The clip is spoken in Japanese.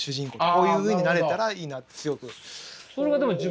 こういうふうになれたらいいなって。